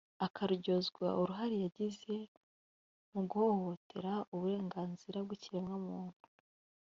akaryozwa uruhare yagize mu guhohotera uburenganzira bw’ikiremwamuntu